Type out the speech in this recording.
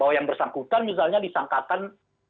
karena misalnya disangkakan